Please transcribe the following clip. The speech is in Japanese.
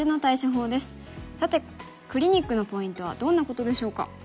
さてクリニックのポイントはどんなことでしょうか？